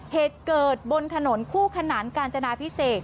เหตุเกิดบนถนนคู่ขนานกาญจนาพิเศษ